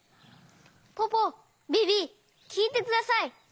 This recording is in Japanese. ポポビビきいてください！